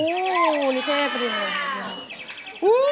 อู๊นิเทร์